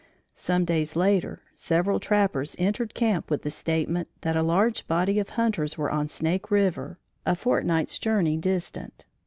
Some days later, several trappers entered camp with the statement that a large body of hunters were on Snake River, a fortnight's journey distant.